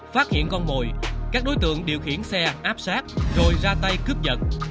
phát hiện con mồi các đối tượng điều khiển xe áp sát rồi ra tay cướp giật